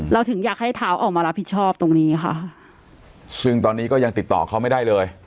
ถึงอยากให้เท้าออกมารับผิดชอบตรงนี้ค่ะซึ่งตอนนี้ก็ยังติดต่อเขาไม่ได้เลย